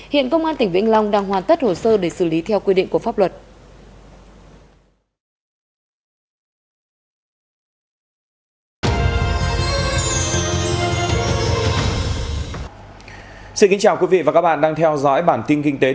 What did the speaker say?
hiện công an tỉnh vĩnh long đang hoàn tất hồ sơ để xử lý theo quy định của pháp luật